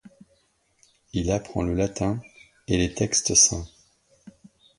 Il apprend le latin et les textes saints.